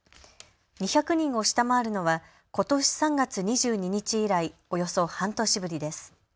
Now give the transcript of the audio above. ２００人を下回るのはことし３月２２日以来、およそ半年ぶりです。